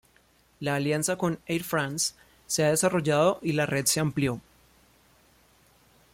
La alianza con Air France se ha desarrollado y la red se amplió.